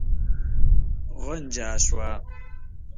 غنجا شوه.